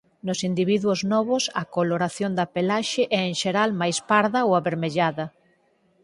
Nos individuos novos a coloración da pelaxe é en xeral más parda ou avermellada.